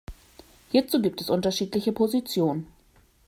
Hierzu gibt es unterschiedliche Positionen.